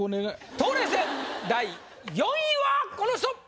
冬麗戦第４位はこの人！